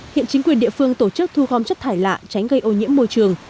hiện chính quyền địa phương tổ chức thu gom chất thải lạ tránh gây ô nhiễm môi trường